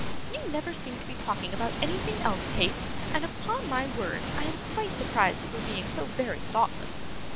'You never seem to me to be talking about anything else, Kate, and upon my word I am quite surprised at your being so very thoughtless.